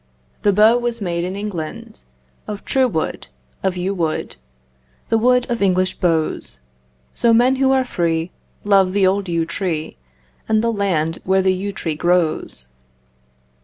The bow was made in England: Of true wood, of yew wood, The wood of English bows; So men who are free Love the old yew tree And the land where the yew tree grows.